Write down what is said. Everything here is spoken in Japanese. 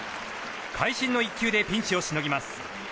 会心の一球でピンチをしのぎます。